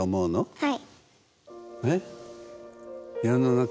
はい。